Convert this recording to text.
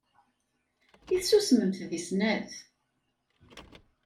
I tessusmemt deg snat?